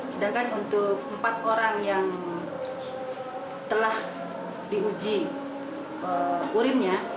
sedangkan untuk empat orang yang telah diuji urinnya